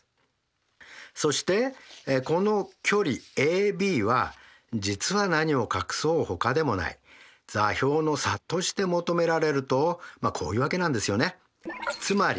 そしてこの距離ＡＢは実は何を隠そうほかでもない座標の差として求められるとこういうわけなんですよね。